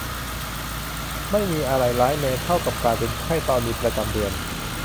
ไม่มีอะไรร้ายแรงเท่ากับการเป็นไข้ตอนมีประจำเดือน